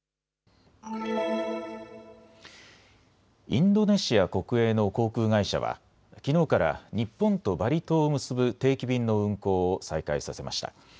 インドネシア国営の航空会社はきのうから日本とバリ島を結ぶ定期便の運航を再開させました。